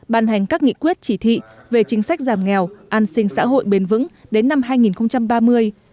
ban hành các nghị quyết chỉ thị về chính sách giảm nghèo an sinh xã hội bền vững đến năm hai nghìn ba mươi